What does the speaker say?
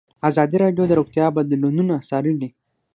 ازادي راډیو د روغتیا بدلونونه څارلي.